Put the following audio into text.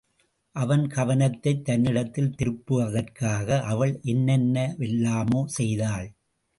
அவன் கவனத்தைத் தன்னிடத்தில் திருப்புவதற்காக அவள் என்னென்னவெல்லாமோ செய்தாள்.